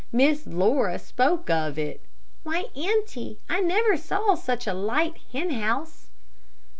Miss Laura spoke of it. "Why, auntie, I never saw such a light hen house."